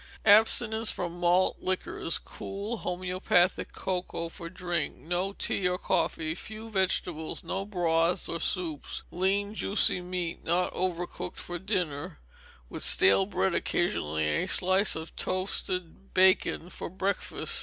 Abstinence from malt liquors, cool homoeopathic cocoa for drink, no tea or coffee, few vegetables, no broths or soups; lean juicy meat not over cooked for dinner, with stale bread occasionally and a slice of toasted bacon for breakfast.